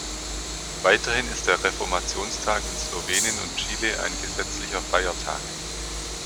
Weiterhin ist der Reformationstag in Slowenien und Chile ein gesetzlicher Feiertag.